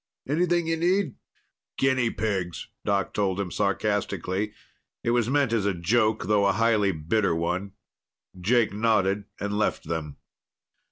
Anything you need?" "Guinea pigs," Doc told him sarcastically. It was meant as a joke, though a highly bitter one. Jake nodded and left them.